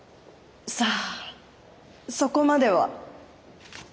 さあそこまでは。